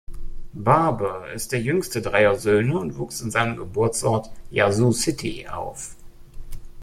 Barbour ist der jüngste dreier Söhne und wuchs in seinem Geburtsort, Yazoo City, auf.